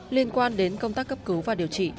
liên quan đến công tác cấp cứu và điều trị